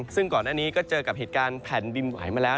ซึ่งก่อนหน้านี้ก็เจอกับเหตุการณ์แผ่นดินไหวมาแล้ว